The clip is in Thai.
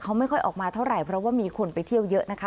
เขาไม่ค่อยออกมาเท่าไหร่เพราะว่ามีคนไปเที่ยวเยอะนะคะ